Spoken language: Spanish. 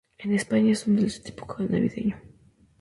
En España es un dulce típico navideño.